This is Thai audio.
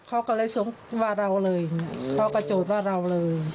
เขาก็เลยส่งว่าเราเลยเขาก็โจทย์ว่าเราเลย